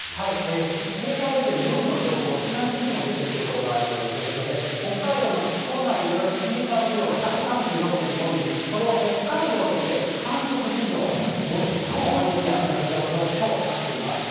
警戒レベル４の情報、避難指示も出ている所があるような状況で、北海道の木古内では１時間雨量が１３６．５ミリ、これは北海道として、観測史上最も激しい雨の降り方と、きょうなっています。